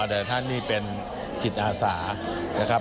แต่ท่านนี่เป็นจิตอาสานะครับ